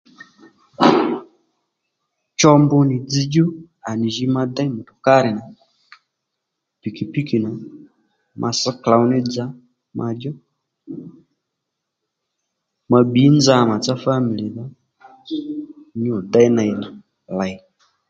Cho mbu nì dzzdjú à nì jǐ ma déy mutkárì nà pikipiki nà ma sš klǒw ní dza ma djú ma bbǐ nza màtsá family dho nyû déy ney lèy